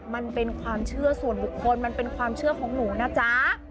มันเป็นความเชื่อส่วนบุคคลมันเป็นความเชื่อของหนูนะจ๊ะ